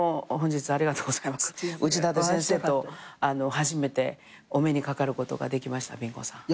内館先生と初めてお目にかかることができましたピン子さん。